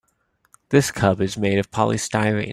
This cup is made of polystyrene.